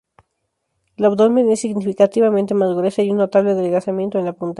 El abdomen es significativamente más gruesa y un notable adelgazamiento en la punta.